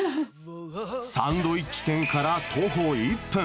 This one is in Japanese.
サンドイッチ店から徒歩１分。